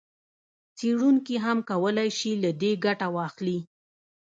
څېړونکي هم کولای شي له دې ګټه واخلي.